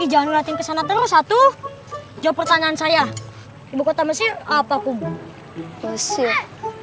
jangan nulatin kesana terus satu jawab pertanyaan saya ibu kota mesir apa kubu mesir